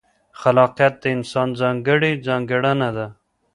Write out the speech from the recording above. خلاقیت د انسان ځانګړې ځانګړنه ده.